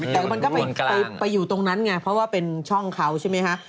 แต่มันก็ไปอยู่ตรงนั้นไงเพราะว่าเป็นช่องเขาใช่ไหมคะ